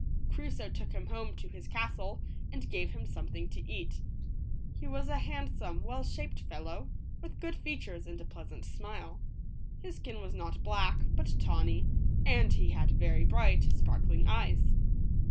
Crusoe took him home to his castle and gave him something to eat. He was a handsome, well shaped fellow, with good features and a pleasant smile. His skin was not black, but tawny, and he had very bright, sparkling eyes.